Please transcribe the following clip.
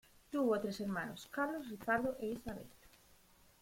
Tuvo tres hermanos, Carlos, Ricardo e Isabel.